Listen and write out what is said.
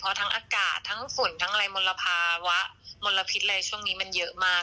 เพราะทั้งอากาศทั้งฝนทั้งอะไรมลภาวะมลพิษอะไรช่วงนี้มันเยอะมาก